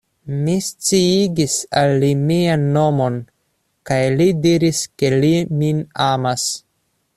Mi sciigis al li mian nomon kaj li diris ke li min amas.